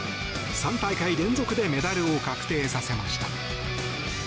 ３大会連続でメダルを確定させました。